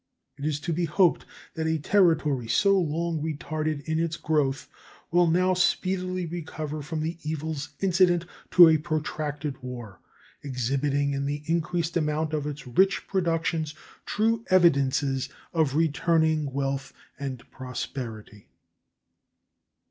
It is to be hoped that a territory so long retarded in its growth will now speedily recover from the evils incident to a protracted war, exhibiting in the increased amount of its rich productions true evidences of returning wealth and prosperity.